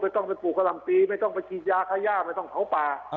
ไม่ต้องปลูกกระหล่ำปีไม่ต้องขี้ยาขย่าไม่ต้องเขาป่า